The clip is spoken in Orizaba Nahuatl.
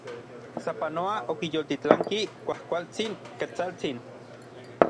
Sapanoa okiyoltilanki kuajkuaktsin Ketsaltsin.